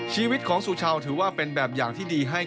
ชีวิตของสุชาวถือว่าเป็นแบบอย่างที่ดีให้